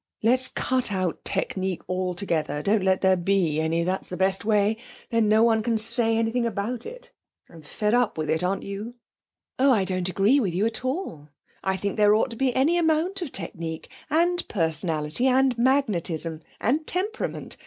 Let's cut out technique altogether. Don't let there be any, that's the best way; then no one can say anything about it. I'm fed up with it. Aren't you?' 'Oh, I don't agree with you at all. I think there ought to be any amount of technique, and personality, and magnetism, and temperament.